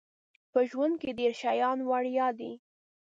په ژوند کې ډیر شیان وړيا دي